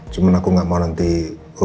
supaya tidak makanda pria